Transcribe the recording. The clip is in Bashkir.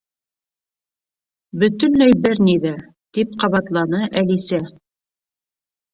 —Бөтөнләй бер ни ҙә, —тип ҡабатланы Әлисә.